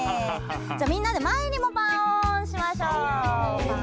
じゃあみんなでまえにもパオンしましょう。